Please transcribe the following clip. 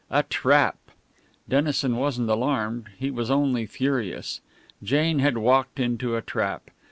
A trap! Dennison wasn't alarmed he was only furious. Jane had walked into a trap.